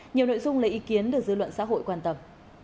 nhiều nội dung lấy ý kiến được dư luận xã hội quan tâm